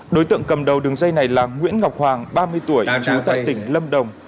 đối tượng cầm đầu đường dây này là nguyễn ngọc hoàng ba mươi tuổi trú tại tỉnh lâm đồng